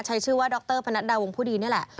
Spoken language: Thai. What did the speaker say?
ใช้ชื่อว่าดรพนัดดาวงผู้ดีนี่แหละ